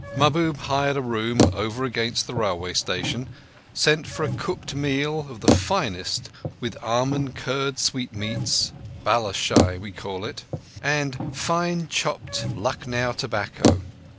Mahbub hired a room over against the railway station, sent for a cooked meal of the finest with the almond curd sweet meats (balushai we call it) and fine chopped Lucknow tobacco.